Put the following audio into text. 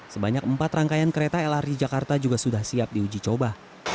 sebanyak empat rangkaian kereta lrt jakarta juga sudah siap diuji coba